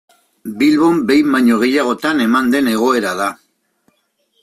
Bilbon behin baino gehiagotan eman den egoera da.